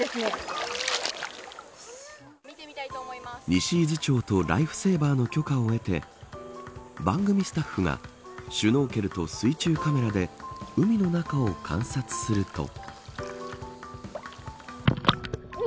西伊豆町とライフセーバーの許可を得て番組スタッフがシュノーケルと水中カメラで海の中を観察すると。